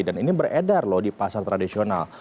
dan ini beredar loh di pasar tradisional